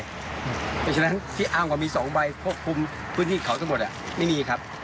เพราะฉะนั้นที่อ้างว่ามี๒ใบควบคุมพื้นที่เขาทั้งหมดไม่มีครับ